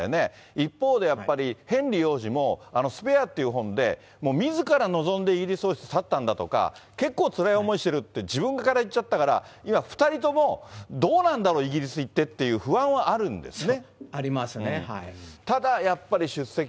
一方でやっぱり、ヘンリー王子もあのスペアという本で、もうみずから望んでイギリス王室を去ったんだとか、結構つらい思いしてるって、自分から言っちゃったから、今、２人ともどうなんだろう、イギリス行ってっていう不安はあるんですね。